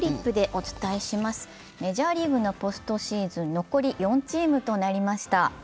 メジャーリーグのポストシーズン、残り４チームとなりました